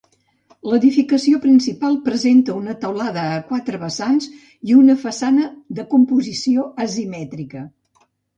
L'edificació principal presenta una teulada a quatre vessants i una façana de composició asimètrica.